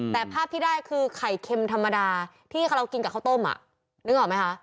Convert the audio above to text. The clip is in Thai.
แต่ภาพที่ได้คือไข่เค็มธรรมดาที่เรากินกับข้าวต้มนึกออกไหมคะ